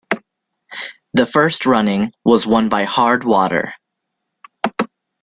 The first running was won by Hard Water.